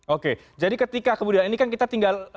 oke jadi ketika kemudian ini kan kita tinggal